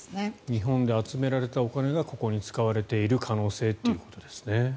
日本で集められたお金がここで使われている可能性ということですね。